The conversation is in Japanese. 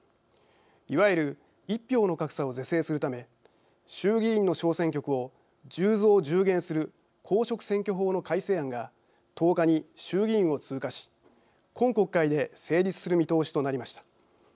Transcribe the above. いわゆる１票の格差を是正するため衆議院の小選挙区を１０増１０減する公職選挙法の改正案が１０日に衆議院を通過し今国会で成立する見通しとなりました。